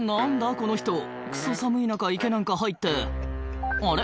この人クソ寒い中池なんか入ってあれ？